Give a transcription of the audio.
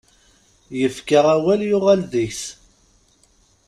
Yefka awal, yuɣal deg-s.